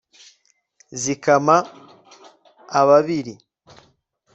zikama ababiri